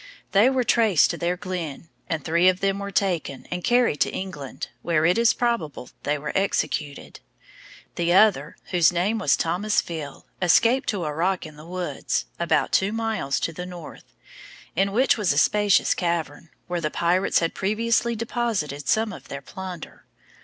They were traced to their glen, and three of them were taken, and carried to England, where it is probable they were executed. The other, whose name was Thomas Veal, escaped to a rock in the woods, about two miles to the north, in which was a spacious cavern, where the pirates had previously deposited some of their plunder.